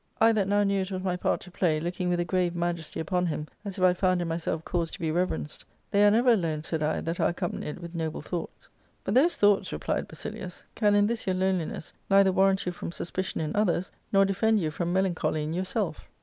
I, that now knew it was my part to play, looking with a grave majesty upon him, as if I found in my self cause to be reverenced, *They are never alone,' said I, * that are accompanied with nnhle t}i^ugrhts.' < But those thoughts,' ■ replied Basilius, *can in this your loneliness neither warrant you from suspicion in others, nor defend you from melancholy in yourself.'